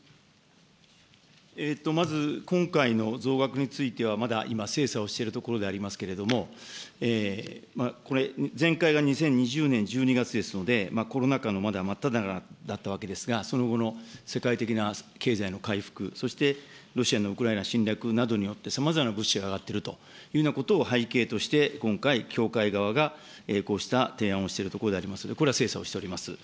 まず今回の増額については、まだ今、精査をしているところでありますけれども、これ、前回が２０２０年１２月ですので、コロナ禍のまだ真っただ中だったわけですが、その後の世界的な経済の回復、そして、ロシアのウクライナ侵略などによって、さまざまな物資が上がっているというようなことを背景として、今回、協会側が、こうした提案をしているところでありますので、これは精査をしております。